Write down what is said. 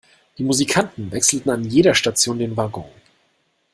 Die Musikanten wechselten an jeder Station den Wagon.